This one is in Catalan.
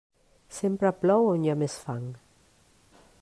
Sempre plou on hi ha més fang.